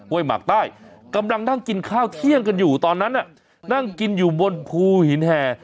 หมากใต้กำลังนั่งกินข้าวเที่ยงกันอยู่ตอนนั้นน่ะนั่งกินอยู่บนภูหินแห่